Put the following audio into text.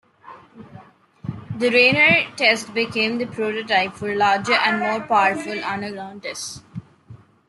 The "Rainier" test became the prototype for larger and more powerful underground tests.